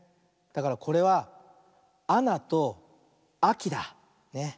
だからこれは「あな」と「あき」だ。ね。